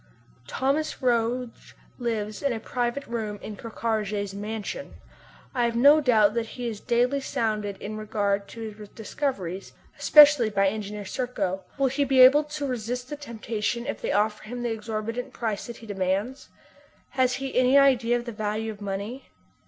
Thomas Roch lives in a private room in Ker Karraje's "mansion." I have no doubt that he is daily sounded in regard to his discoveries, especially by Engineer Serko. Will he be able to resist the temptation if they offer him the exorbitant price that he demands? Has he any idea of the value of money?